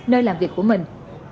nơi làm việc của mình